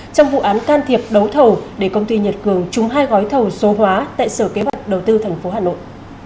trong vụ án can thiệp đấu thầu để công ty nhật cường trúng hai gói thầu số hóa tại sở kế hoạch đầu tư tp hà nội